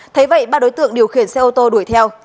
thấy vậy ba đối tượng điều khiển xe ô tô đuổi theo